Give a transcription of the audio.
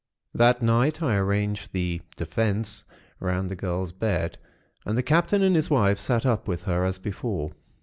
"That night, I arranged the 'Defense' round the girl's bed, and the Captain and his wife sat up with her, as before.